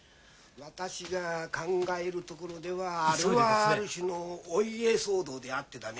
私が考えるところではあれはある種のお家騒動であってだね。